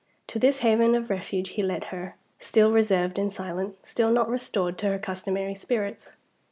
To this haven of refuge he led her still reserved and silent, still not restored to her customary spirits.